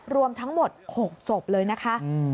รวมทั้งหมด๖ศพเลยนะคะ